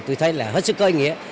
tôi thấy là hết sức có ý nghĩa